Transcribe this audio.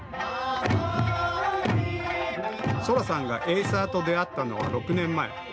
青空さんがエイサーと出会ったのは６年前。